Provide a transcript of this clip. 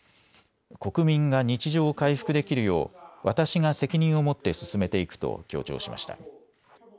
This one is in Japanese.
国民が日常を回復できるよう私が責任を持って進めていくと強調しました。